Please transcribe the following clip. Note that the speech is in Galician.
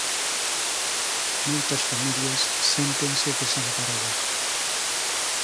Moitas familias séntense desamparadas.